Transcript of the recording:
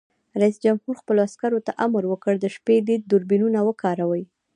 رئیس جمهور خپلو عسکرو ته امر وکړ؛ د شپې لید دوربینونه وکاروئ!